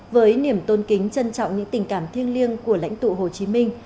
với niềm tôn kính trân trọng những tình cảm thiêng liêng của lãnh tụ hồ chí minh